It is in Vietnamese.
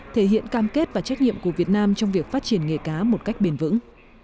thể hiện cam kết và trách nhiệm của việt nam trong việc phát triển nghề cá một cách bền vững